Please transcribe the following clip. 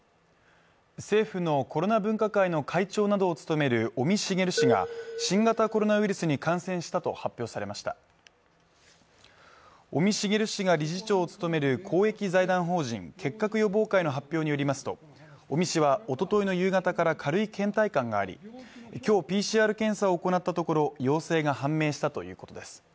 政府のコロナ分科会の会長などを務める尾身茂氏が新型コロナウイルスに感染したと発表されました尾身茂氏が理事長を務める公益財団法人結核予防会の発表によりますと尾身氏はおとといの夕方から軽い倦怠感があり今日ＰＣＲ検査を行ったところ陽性が判明したということです